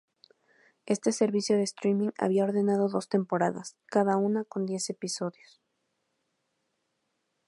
Este servicio de streaming había ordenado dos temporadas, cada una con diez episodios.